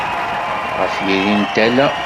Ɣef yiri n tala.